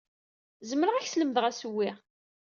Zemreɣ ad ak-slemdeɣ asewwi.